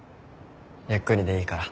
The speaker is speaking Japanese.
ゆっくりでいいから。